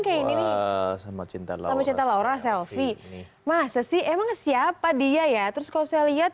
kayak ini nih sama cinta sama cinta laura selfie masa sih emang siapa dia ya terus kalau saya lihat